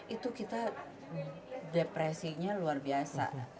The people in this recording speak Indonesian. itu kita depresinya luar biasa